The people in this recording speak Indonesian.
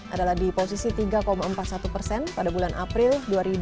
adalah di posisi tiga empat puluh satu persen pada bulan april dua ribu dua puluh